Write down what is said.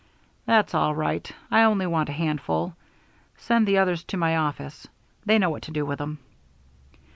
"That's all right. I only want a handful. Send the others to my office. They know what to do with 'em."